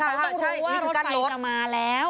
เขาต้องรู้ว่ารถไฟกลับมาแล้ว